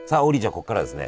ここからはですね